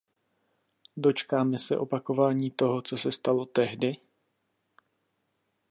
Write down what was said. Dočkáme se opakování toho, co se stalo tehdy?